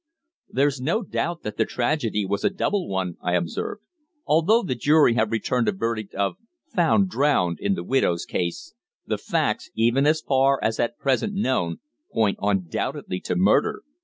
"There's no doubt that the tragedy was a double one," I observed. "Although the jury have returned a verdict of 'Found Drowned' in the widow's case, the facts, even as far as at present known, point undoubtedly to murder."